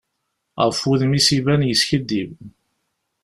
Ɣef wudem-is iban yeskiddib.